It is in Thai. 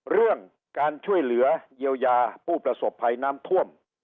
เรื่องการช่วยเหลือเยียวยาผู้ประสบภัยน้ำท่วม